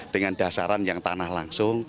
dengan dasaran yang tanah langsung